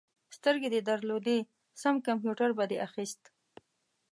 سترګې دې درلودې؛ سم کمپيوټر به دې اخيست.